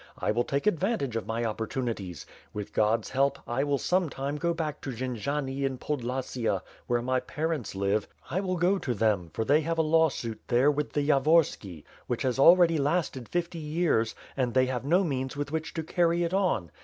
I will take ad vantage of my opportunities. With God's help, I will some time go back to Jendziani in Podlasia, where my parents live, I will go to them; for they have a lawsuit, there, with the Yavorski, which has already lasted fifty years, and they have no means with which to carry it on.